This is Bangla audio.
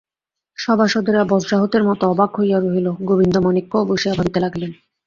সভাসদেরা বজ্রাহতের মতো অবাক হইয়া রহিল, গোবিন্দমাণিক্যও বসিয়া ভাবিতে লাগিলেন।